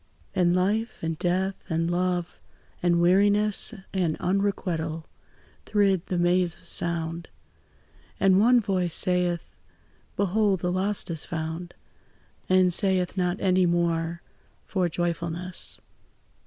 And life, and death, and love, and weariness, And unrequital, thrid the maze of sound; And one voice saith, "Behold, the lost is found!" And saith not any more for joyfulness.